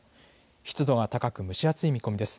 湿度が高く蒸し暑い見込みです。